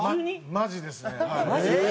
マジです。